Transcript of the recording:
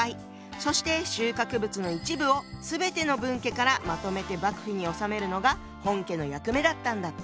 そして収穫物の一部を全ての分家からまとめて幕府に納めるのが本家の役目だったんだって。